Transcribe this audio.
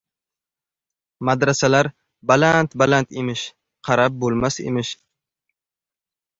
«Madrasalar baland-baland emish, qarab bo‘lmas emish».